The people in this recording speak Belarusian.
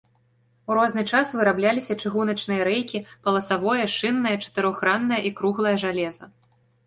У розны час вырабляліся чыгуначныя рэйкі, паласавое, шыннае, чатырохграннае і круглае жалеза.